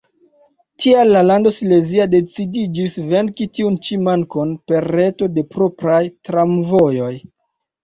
Tial la lando silezia decidiĝis venki tiun ĉi mankon per reto de propraj tramvojoj.